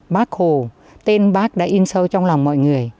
bác hồ tên bác đã in sâu trong lòng mọi người